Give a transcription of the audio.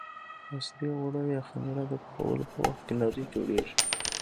د پاستي اوړه یا خمېره د پخولو په وخت کې نرۍ جوړېږي.